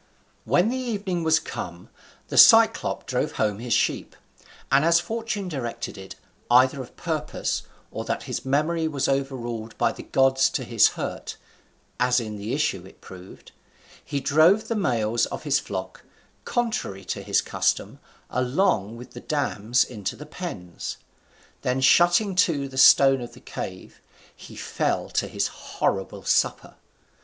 When the evening was come, the Cyclop drove home his sheep; and as fortune directed it, either of purpose, or that his memory was overruled by the gods to his hurt (as in the issue it proved), he drove the males of his flock, contrary to his custom, along with the dams into the pens. Then shutting to the stone of the cave, he fell to his horrible supper.